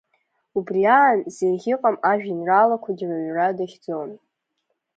Убри аан зеиӷьаҟам ажәеинраалақәагьы рыҩра дахьӡон.